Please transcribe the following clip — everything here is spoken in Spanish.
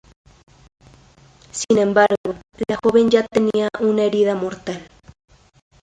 Sin embargo, la joven ya tenía una herida mortal.